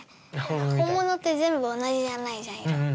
本物って全部同じじゃないじゃん色。